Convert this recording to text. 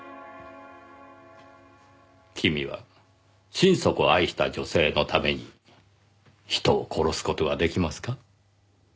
君は心底愛した女性のために人を殺す事が出来ますか？